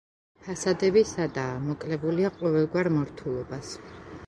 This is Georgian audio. ფასადები სადაა, მოკლებულია ყოველგვარ მორთულობას.